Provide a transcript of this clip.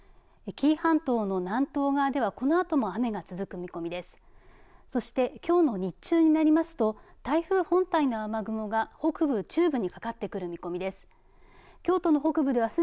紀伊半島の南東側ではこのあとも雨が続く見込みです。